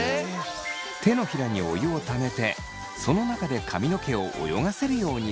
手のひらにお湯をためてその中で髪の毛を泳がせるようにすすぎます。